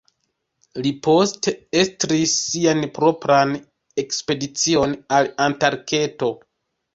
Li poste estris sian propran ekspedicion al Antarkto.